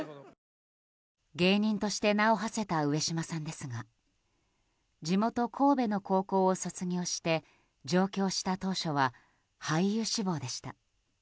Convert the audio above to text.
芸人として名を馳せた上島さんですが地元・神戸の高校を卒業して上京した当初は俳優志望でした。